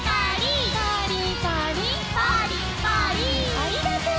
ありがとう。